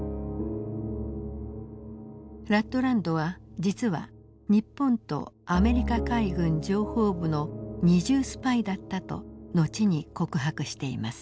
ラットランドは実は日本とアメリカ海軍情報部の二重スパイだったと後に告白しています。